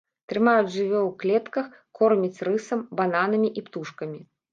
Трымаюць жывёл клетках, кормяць рысам, бананамі і птушкамі.